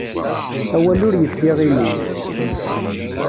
Awal ur yeffiɣ imi-m.